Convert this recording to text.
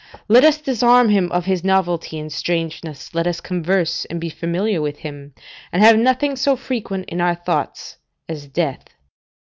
Let us disarm him of his novelty and strangeness, let us converse and be familiar with him, and have nothing so frequent in our thoughts as death.